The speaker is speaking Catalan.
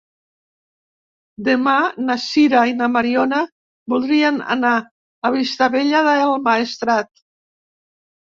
Demà na Sira i na Mariona voldrien anar a Vistabella del Maestrat.